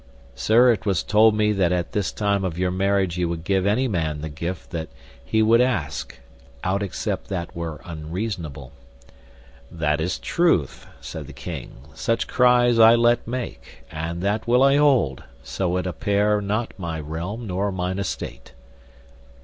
Sir, it was told me that at this time of your marriage ye would give any man the gift that he would ask, out except that were unreasonable. That is truth, said the king, such cries I let make, and that will I hold, so it apair not my realm nor mine estate.